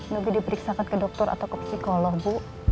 lebih diperiksakan ke dokter atau ke psikolog bu